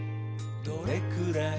「どれくらい？